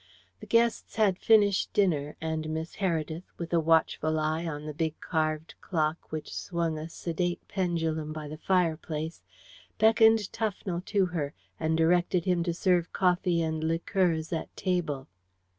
The guests had finished dinner, and Miss Heredith, with a watchful eye on the big carved clock which swung a sedate pendulum by the fireplace, beckoned Tufnell to her and directed him to serve coffee and liqueurs at table.